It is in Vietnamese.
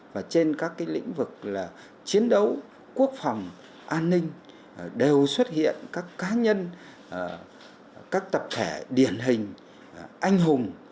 và trên các lĩnh vực là chiến đấu quốc phòng an ninh đều xuất hiện các cá nhân các tập thể điển hình anh hùng